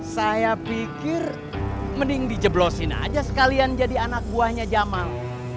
saya pikir mending dijeblosin aja sekalian jadi anak buahnya jamal